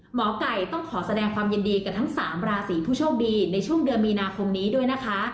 หมอไก่ต้องขอแสดงความยินดีกับทั้ง๓ราศีผู้โชคดีในช่วงเดือนมีนาคมนี้ด้วยนะคะ